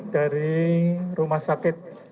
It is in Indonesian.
dari rumah sakit